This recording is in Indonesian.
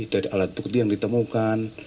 dari alat bukti yang ditemukan